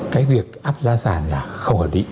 cái việc áp giá sản là khổ định